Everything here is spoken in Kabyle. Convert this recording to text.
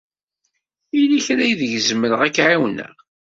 Yella kra aydeg zemreɣ ad k-ɛawneɣ?